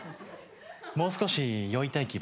もう少し酔いたい気分。